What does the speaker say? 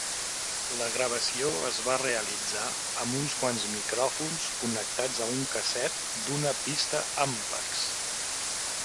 La gravació es va realitzar amb uns quants micròfons connectats a un casset d'una pista Ampex.